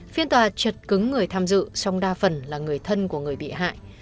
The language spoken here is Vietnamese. phiên tòa chật cứng người tham dự song đa phần là người thân của người bị hại